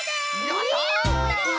やった！